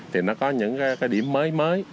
thì nó có những cái điểm mới mới